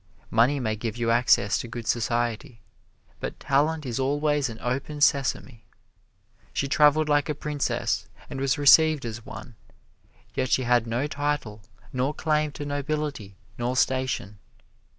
Money may give you access to good society, but talent is always an open sesame. She traveled like a princess and was received as one, yet she had no title nor claim to nobility nor station.